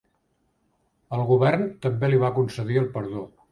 El govern també li va concedir el perdó.